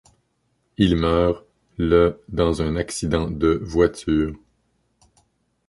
Il meurt le dans un accident de voiture.